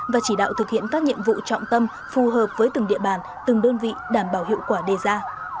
và chỉ đạo thực hiện các nhiệm vụ trọng tâm phù hợp với từng địa bàn từng đơn vị đảm bảo hiệu quả đề ra